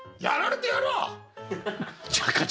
やられてやらあ！